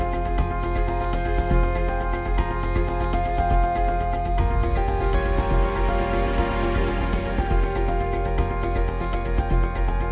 ทั้งแหน่งป่าวเส้นล่ะวันที่สุดคราวันป่ะ